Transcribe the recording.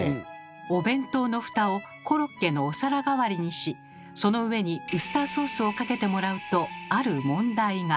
お弁当の蓋をコロッケのお皿代わりにしその上にウスターソースをかけてもらうとある問題が。